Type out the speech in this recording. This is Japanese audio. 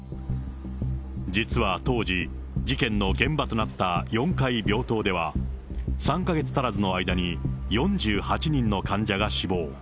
実は当時、事件の現場となった４階病棟では、３か月足らずの間に、４８人の患者が死亡。